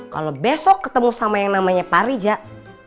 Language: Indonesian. kalau besok ketemu sama yang namanya pari jatuh